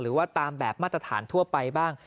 หรือว่าตามแบบมาตรฐานทั่วไปบ้าง